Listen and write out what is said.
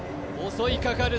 襲いかかる